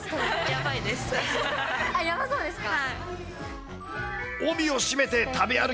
やばそうですか。